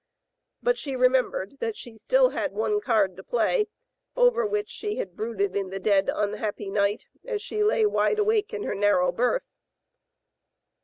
But she remembered that she had still one card to play, over which she had brooded in the dead, unhappy night as she lay wide awake in her nar row berth.